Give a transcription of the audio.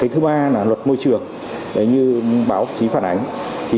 thứ ba là luật môi trường như báo chí phản ánh